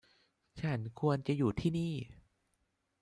ฉันควรจะอยู่ที่นี่